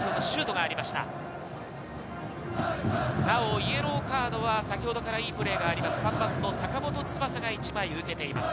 イエローカードは先ほどいいプレーがあります、３番の坂本翼が１枚受けています。